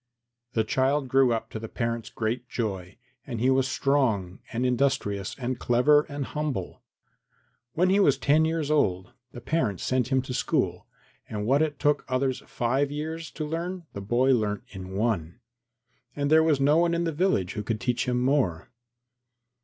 II The child grew up to the parents' great joy; and he was strong and industrious and clever and humble. When he was ten years old the parents sent him to school, and what it took others five years to learn the boy learnt in one. And there was no one in the village who could teach him more.